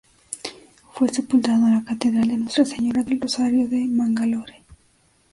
Fue sepultado en la Catedral de Nuestra Señora del Rosario de Mangalore.